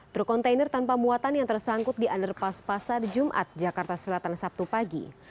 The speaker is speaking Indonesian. truk kontainer tanpa muatan yang tersangkut di underpass pasar jumat jakarta selatan sabtu pagi